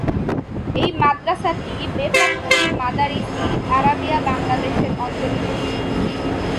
এই মাদ্রাসাটি বেফাকুল মাদারিসিল আরাবিয়া বাংলাদেশর অধিভুক্ত।